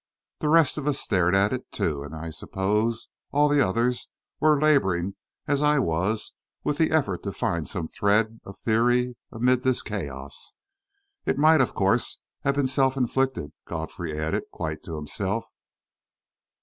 The rest of us stared at it too; and I suppose all the others were labouring as I was with the effort to find some thread of theory amid this chaos. "It might, of course, have been self inflicted," Godfrey added, quite to himself.